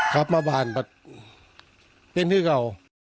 ครับมาบ้านเป็นที่เก่า